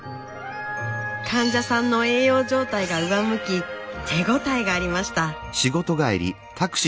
患者さんの栄養状態が上向き手応えがありました。